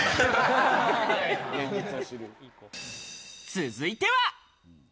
続いては。